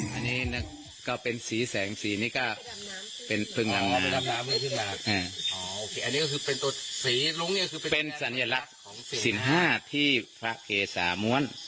อันนี้เนี่ยก็เป็นสีแสงสีนี้ก็เป็นพึงลำน้ำอ๋อเป็นสัญลักษณ์สินห้าที่พระเขสามวน